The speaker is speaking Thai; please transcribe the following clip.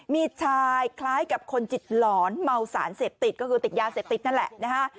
มีชายคล้ายกับคนจิตหลอนเมาสารเสพติดก็คือติดยาเสพติดนั่นแหละนะฮะ